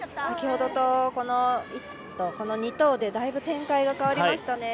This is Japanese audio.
先ほどと、この２投でだいぶ、展開が変わりました。